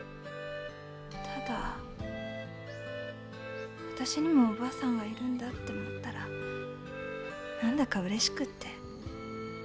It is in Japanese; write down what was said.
ただ私にもおばあさんがいるんだって思ったら何だかうれしくって。